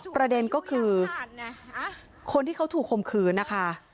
ประเด็นก็คือคนที่เขาถูกคมคืนนะคะ